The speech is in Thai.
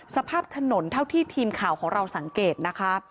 สภาพถนนเท่าที่ทีมข่าวของเราสังเกตนะคะ